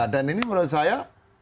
dan ini menurut saya